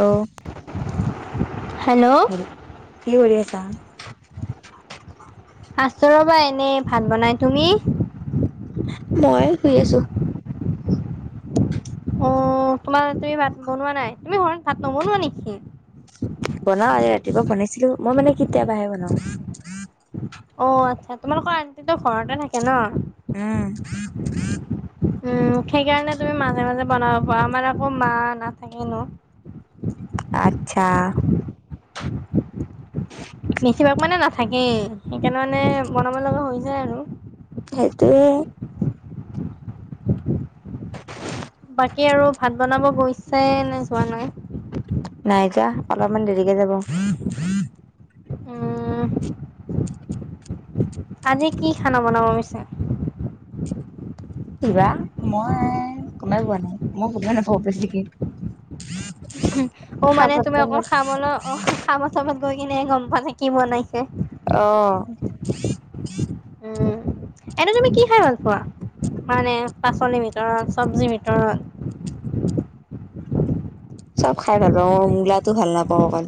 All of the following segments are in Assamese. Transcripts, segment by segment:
এও হেল্ল' কি কৰি আছা? আছো ৰবা এনেই ভাত বনাই তুমি মই শুই আছো অ তোমাৰ তুমি ভাত বনোৱা নাই তুমি ঘৰত ভাত নবনোৱা নেকি বনাও আজি ৰাতিপুৱা বনাইছিলো মই মানে কেতিয়াবাহে বনাও অ আচ্ছা তোমালোকৰ আণ্টিটো ঘৰতে থাকে ন উম [unintelligible] উম সেইকাৰণে তুমি মাজে মাজে বনাব পাৰা আমাৰ আকৌ মা নাথাকে ন আচ্ছা বেছিভাগ মানে নাথাকেই সেইকাৰণে মানে বনাব লগা হৈ যায় আৰু সেইটোৱে [unintelligible] বাকী আৰু ভাত বনাব গৈ ছে নে যোৱা নাই নাই যোৱা অলপমান দেৰিকে যাব উম আজি কি খানা বনাব পিছে কিবা মই গমেই পোৱা নাই মোৰ গমেই নাপাও বেছিকে অ মানে খাবৰ তুমি আকৌ টাইমত খামলৈ অ খাম চাবত গৈ কিনে গম পোৱা নেকি কি বনাইছে অ উম এনে তুমি কি খাই ভাল পোৱা মানে পাচলিৰ ভিতৰত চব্জিৰ ভিতৰত চব খাই ভাল পাও মই মূলাটো ভাল নাপাও অকল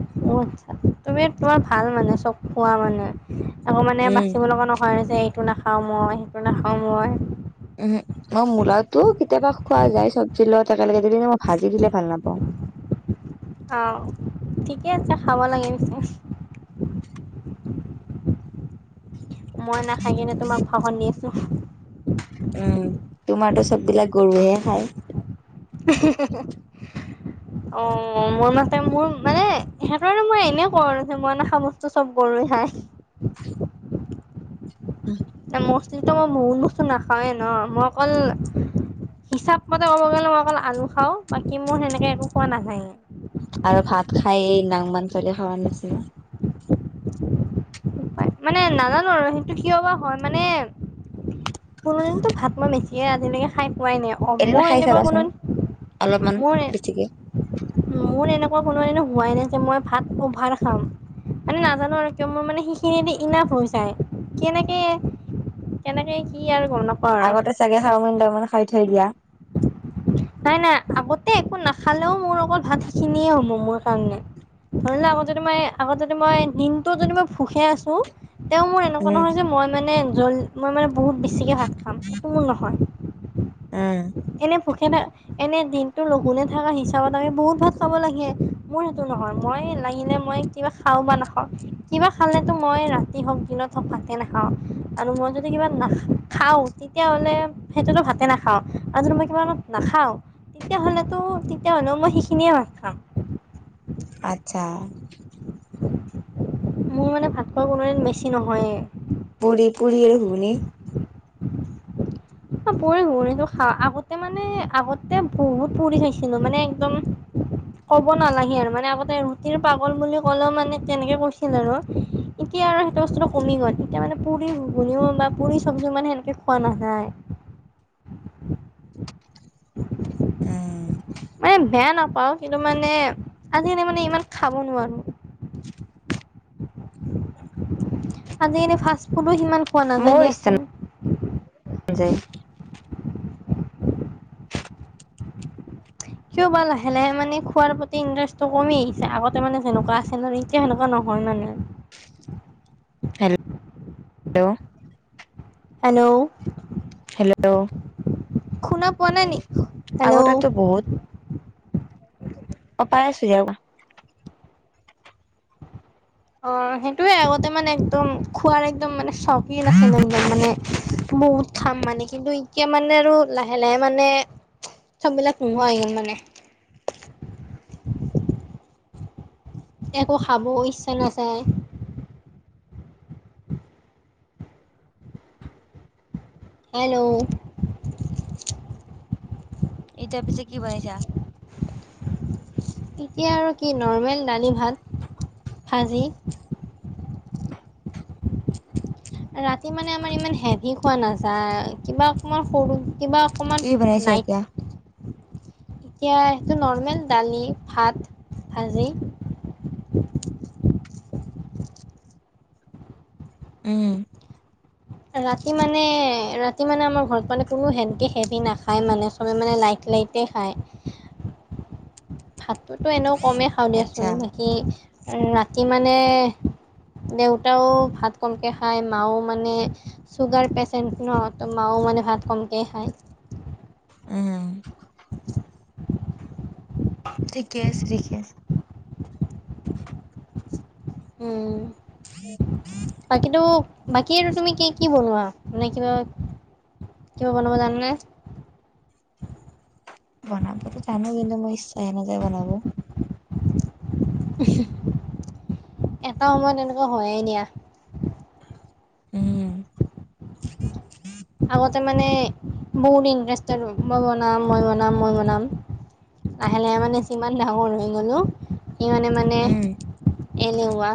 অ' আটচা তুমি তোমাৰ ভাল মানে চব খোৱা মানে। আকৌ মানে উম। বাচিব লগা নহয় যে এইটো নাখাও মই সেইটো নাখাও মই। উম, মই মূলাটোও কেতিয়াবা খোৱা যায় চব্জিৰ লগত একেলগে দিলি নে মই ভাজি দিলে ভাল নাপাওঁ। অ', ঠিকে আছে খাব লাগে পিছে। মই নাখাই কিনে তোমাক ভাখন দি আছোঁ। উম, তোমাৰ তো চববিলাক গৰুহে খায়। [unintelligible] অ' মোৰ মতে মোৰ মানে সেইকাৰণে মই এনে কও আৰু ন যে মই নাখাও বস্তু চব গলো খাই। উম এ মছলিতো মই বহুত মস্তু নাখাওৱেই ন মই অকল হিচাপ মতে ক'ব গলে মই অকল আলু খাও বাকী মোৰ সেনেকে একো কোৱা নাযায়। আৰু ভাত খাই এই নাংমান চলি খাৱাৰ নিচিনা। মানে নাজানো আৰু সেইটো কিয় বা হয় মানে কোনো দিনতো ভাত মই বেছিকে আজিলৈকে খাই পোৱাই নাই। অ এদিন মোৰ খাই এনেকুৱা চাবাচোন কোনোদিন অলপমান মোৰ এ বেছিকে। মোৰ এনেকুৱা কোনোদিনে হোৱাই নাই যে মই ভাত অভাৰ খাম। মানে নাজানো আৰু কিয় মোৰ মানে সেইখিনিদি ইনাফ হৈ যায় কেনেকে কেনেকে কি আৰু গম নাপ আগতে চাগে চাওমিন -টাওমিন খাই থৈ দিয়া। নাই নাই আগতে একো নাখালেও মোৰ অকল ভাত খিনিয়ে হ'ব মোৰ কাৰণে। ধৰি লোৱা আগত যদি মই আগত যদি মই দিনটো যদি মই ভোখে আছো তেওঁ মোৰ উম এনেকুৱা নহয় যে মই মানে জল মই মানে বহুত বেছিকে ভাত খাম সেটো মোৰ নহয়। উম। এনে ভোখে নাই এনে দিনটো লঘোনে থাকা হিচাপত আমি বহুত ভাল খাব লাগে মোৰ সেইটো নহয় মই লাগিলে মই কিবা খাওঁ বা নাখাও কিবা খালেতো মই ৰাতি হওক দিনত হওঁক ভাতে নাখাও। আৰু মই যদি কিবা না খাওঁ তেতিয়াহ'লে সেইটোতো ভাতে নাখাওঁ। আৰু যদি মই কিবা কাৰণত নাখাওঁ তেতিয়াহ'লেতো তেতিয়া হ'লেও মই সেইখিনিয়ে ভাত খাম। আট্চ্ছা। মোৰ মানে ভাত খোৱা কোনো দিন বেছি নহয়েই। পু়ৰি পুৰি আৰু ঘুগুনী অ' পুৰি ঘুগুনীটো খাওঁ আগতে মানে আগতে বহুত পুৰি খাইছিলো মানে একদম ক'ব নালাগে আৰু মানে আগতে ৰুটিৰ পাগল বুলি ক'লেও মানে তেনেকে কৈছিল আৰু। এতিয়া আৰু সেইটো বস্তুটো কম গ'ল এতিয়া মানে পুৰি ঘোঁগুনিও বা পুৰি চব্জিও মানে সেনেকে খোৱা নাযায়। উম মানে বেয়া নাপাওঁ কিন্তু মানে আজিকালি মানে ইমান খাব নোৱাৰোঁ। আজিকালি ফাষ্ট ফুডো সিমান খোৱা নাযায় মোৰো ইচ্ছা দিয়াচোন। [unintelligible] কিয় বা লাহে- লাহে মানে খোৱাৰ প্ৰতি ইণ্টাৰেষ্টটো কমি আহিছে আগতে মানে যেনেকুৱা আছিল আৰু এতিয়া সেনেকুৱা নহয় মানে। [unintelligible] হেল্ল', হেল্ল', শুনা পোৱা নাই নেকি? আগতেতো বহুত, অ' পাই আছো দিয়া কোৱা। অ', সেইটোয়ে আগতে মানে একদম খোৱাৰ একদম মানে চখীন আছিল একদম মানে বহুত খাম মানে কিন্তু এতিয়া মানে আৰু লাহে -লাহে মানে চববিলাক নোহোৱা গেল মানে। একো খাব ইচ্ছা নাযায়। হেল্ল', এতিয়া পিছে কি বনাইছা? এতিয়া আৰু কি নৰ্মেল দালি, ভাত, ভাজি। ৰাতি মানে আমাৰ ইমান হেভি খোৱা নাযায় কিবা অকমান সৰু কিবা অকমান কি বনাইছা নাইক এতিয়া? এতিয়া সেইটো নৰ্মেল দালি, ভাত, ভাজি। উম। ৰাতি মানে -ৰাতি মানে আমাৰ ঘৰত মানে কোনো হেনকে হেভি নাখায় মানে চবে মানে লাইট- লাইট কে খায়। ভাতটোতো এনেও কমেই খাওঁ আচ্ছা। দিয়াচোন বাকী ৰাতি মানে দেউতাও ভাত কমকে খাই মাও মানে ছুগাৰ পেচেণ্ট ন' তো মাওঁ মানে ভাত কমকে খায়। উম, ঠিকে আছে -ঠিকে আছে। উম, বাকীতো বাকী এইটো তুমি কি কি বনোৱা মানে কিবা কিবা বনাব জানানে? বনাবতো জানো কিন্তু মোৰ ইচ্ছাহে নাযায় বনাব। এটা সময়ত এনেকুৱা হৈয়ে দিয়া। উম আগতে মানে বহুত ইণ্টাৰেষ্টেত মই বনাম -মই বনাম- মই বনাম। আহে লাহে মানে যিমান ডাঙৰ হৈ গ'লো সিমানে মানে উম এলেহুৱা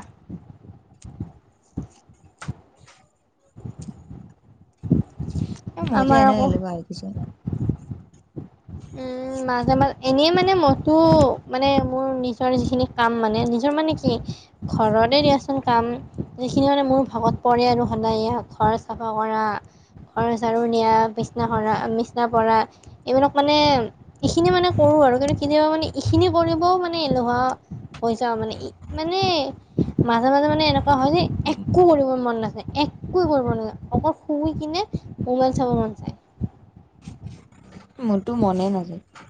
[inaudible] এ মইয়ে আমাৰ এনেওঁ আকৌ এলেহুৱা হৈ গৈছোঁ। উম মাজে মাজে এনে মানে মইতো মানে মোৰ নিজৰ যিখিনি কাম মানে নিজৰ মানে কি ঘৰতেই দিয়াচোন কাম যিখিনি মানে মোৰ ভাগত পৰে আৰু সদায় এয়া ঘৰ চাফা কৰা ঘৰ চাৰু নিয়া, বিচনা সৰা, বিচনা পৰা এইবিলাক মানে এইখিনি মানে কৰো আৰু কিন্তু কেতিয়াবা মানে এইখিনি কৰিবও মানে এলেহুৱা হৈ যাওঁ মানে মানে মাজে- মাজে মানে এনেকুৱা হয় যে একো কৰিব মন নায একোই কৰিব নাযায় অকল শুই কিনে মোবাইল চাব মন যায়। মোৰতো মনেই নাযায়।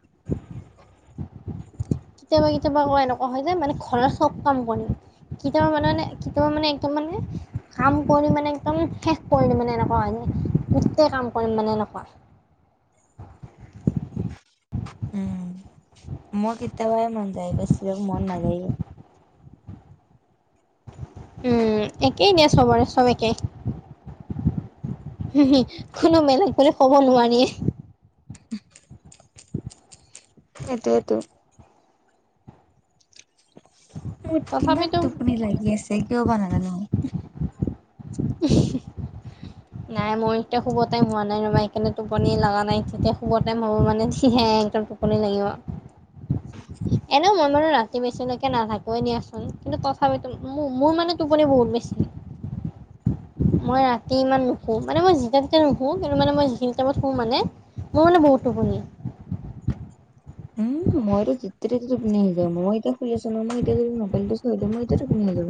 কেতিয়াবা -কেতিয়াবা আকৌ এনেকুৱা হয় যে মানে ঘৰৰ চব কাম কৰিম। কেতিয়াবা মানে -মানে কেতিয়াবা মানে একদম মানে কাম কৰি মানে একদম শেষ কৰি দিম মানে এনেকুৱা হয় নে গোটেই কাম কৰিম মানে এনেকুৱা। উম মই কেতিয়াবা মন যায় বেছিভাগ মন নাযায়ে উম একেই দিয়া চবৰে চব একেই হো হি কোনো মেলেগ বুলি ক'ব নোৱাৰিয়ে সেইটোয়েতো মোৰ কিমান তথাপিতো টোপনি লাগি আছে কিয় বা নাজানো উম হু নাই মই এতিয়া শুব টাইম হোৱা নাই ৰবা সেকাণে টোপনি লগা নাই তেতিয়া শুব টাইম হ'ব মানে যি হে একদম টো পনি লাগিব। এনেও মই মানে ৰাতি বেচিলৈকে নাথাকোৱে দিয়াচোন কিন্তু তথাপিতো মোৰ মোৰ মানে টোপনি বহুত বেছি মই ৰাতি ইমান নুশু মানে মই যেতিয়া তেতিয়া নুশু কিন্তু মানে মই যি টাইমত শু মানে মো মানে বহুত টোপনি উম মইতো যেতিয়া তেতিয়া টোপনি আহি যায় মই এতিয়া শুই আছো ন মই এতিয়া যদি মোইলটো থৈ দিও মই এতিয়া টোপনি আহি যাব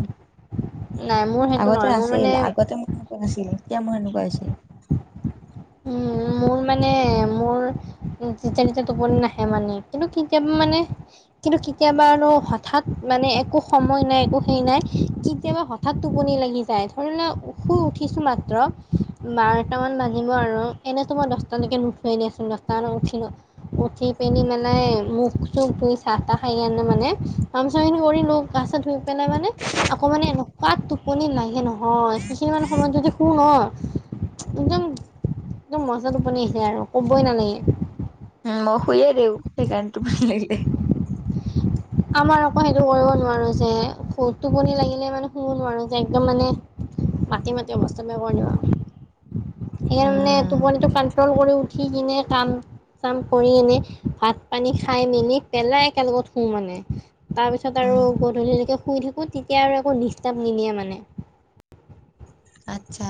নাই মোৰ সেইটো নহয় মোৰ মানে নাছিলি এতিয়া মোৰ সেনেকোৱা হৈছে। উম মোৰ মানে মোৰ যেতিয়া তিতিয়া টোপনি নাহে মানে কিন্তু কেতিয়াবা মানে কিন্তু কেতিয়াবা আৰু হঠাৎ মানে একো সময় নাই একো হেৰি নাই কেতিয়াবা হ হঠাৎ টোপনি লাগি যায় ধৰি ল শুই উঠিছো মাত্ৰ বাৰটা মান বাজি বাজিব আৰু এনেতো মই দছটালৈকে নুঠুৱে দিয়া চোন দহটাত উঠিলো উঠি পিনি মানে মুখ চুখ ধুই চাহ তাহ খাই আনে মানে কাম চামখিনি কৰি লৈ গা চা ধুই পেলাই মানে আকৌ মানে এনেকুৱা টোপনি লাগে নহয় সেইখিনি মান সময়ত যদি শু ন একদম একদম মজা টোপনি আহে আৰু ক'বই নালাগে উ মই শুইয়ে দিও সেইকাৰণে টোপনি লাগিলে আমাৰ আকৌ সেইটো কৰিব নোৱাৰো যে টোপনি লাগিলে মানে শুব নোৱাৰো যে একদম মানে মাটি মাটি অৱস্থা বেয়া কৰি দিব সেইকাৰণে উম টোপনি টো কন্ট্ৰুল কৰি উঠ সেই কিনে কাম চাম কৰি এনে ভাত পানী খাই মেলি পেলাই একেলগত শু মানে তাৰ পিছত আৰু উম গধুলি লেকে শুই থাকো তেতিয়া আৰু একো ডিষ্টাৰ্ব নিদিয়ে মানে। আচ্ছা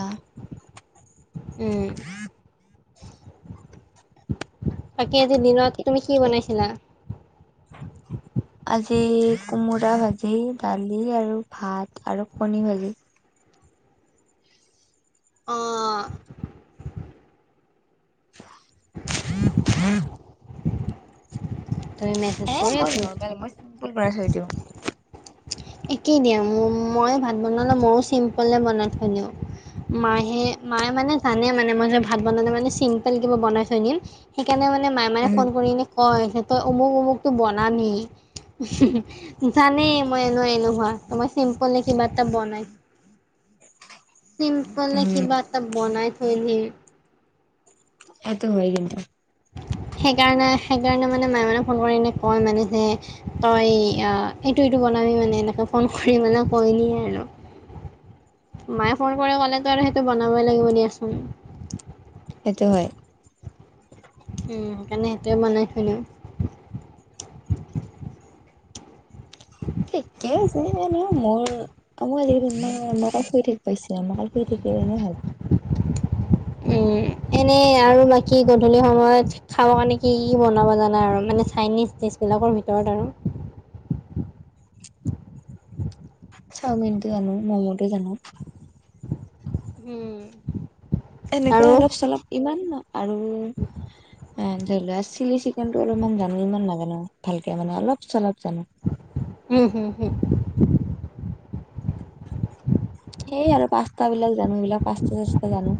উম, [inaudible] বাকী আজি দিনত তুমি কি বনাইছিলা? [unintelligible] আজি কোমোৰা ভাজি দালি আৰু ভাত আৰু কণী ভাজি অঁ [unintelligible] তই মে এ মই নোৱাৰো পাই মই চিম্পুল বনাই থৈ দিওঁ। একেই দিয়া মোৰ মই ভাত বনালে ময়ো চিম্পলে বনাই থৈ দিওঁ। মাই হে মাই মানে জানে মানে মই যে ভাত বনালে মানে চিম্পল কিবা বনাই থৈ দিম - সেইকাৰণে মানে মাই মানে উম ফোন কৰিলে - কয় তই অমুক অমুকটো বনানি জানেই মই মই এলেহুৱা মই চিম্পুল কিবা এটা বনাই চিম কলে উম কিবা এটা বনাই থৈ দিও সেইটো হয় কিন্তু সেইকাৰণে সেইকাৰণে মানে মায়ে মানে ফোন কৰি এনে কয় মানে যে তই এইটো এইটো বনাবি মানে এনেকে ফোন কৰি মানে কৈ দিয়ে আৰু। মাইয়ে ফোন কৰি ক'লেতো আৰু সেইটো বনাবই লাগিব দিয়াচোন। সেইটো হয়। সেইকাৰণে সেইটোৱে বনাই থৈ দিও। ঠিকে আছে এনেও মোৰ - অ মইম মাল ফুৰি থঠ পাইছে মগাল ফু থাকই ভাল। [unintelligible] উম, এনে আৰু বাকী গধূলি সময়ত- খাবৰ কাৰণে কি কি বনাব জানা আৰু মানে চাইনিজ ডিছবিলাকৰ ভিতৰত আৰু? চাওমিনটো জানো, ম'ম'টো জানো। উম। এনেকুৱাই অলপ চলপ ইমান ন আৰু, অ ধৰি লোৱা চিলি চিকেনটো অলপমান জানো, ইমান নাজানো ভালকে মানে অলপ চলপ জানো। উম হুম হ। সেই আৰু পাঁছতাবিলাক জানো, এইবিলাক পাঁছতা চাচতা জানো।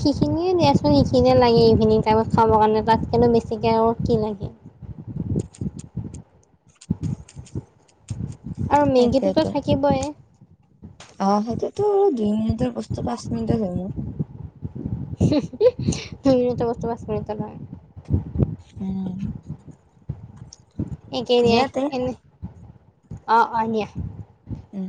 সিখিনিয়ে দিয়াচোন সিখিনিয়ে লাগে, ইভিনিং টাইমত খাবৰ কাৰণে তাত কেনো বেছিকে আৰু কি লাগে। আৰু মেগীটোতো সেইটোয়েতো থাকিবই। অ সেইটোতো দুই মিনিটৰ বস্তু পাঁচ মিনিটত হ মোৰ। দুই মিনিটৰ বস্তু পাচ মিনিটত হয়। উম। একেই দিয়া নিয়াই তে এ অ অ নিয়া। উম।